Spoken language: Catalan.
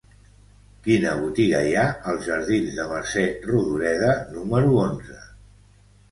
Quina botiga hi ha als jardins de Mercè Rodoreda número onze?